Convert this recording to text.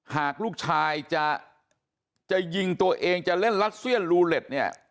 หากลูกชายจะยิงตัวเองจะเล่นรัสเซียนลูเล็ตเนี่ย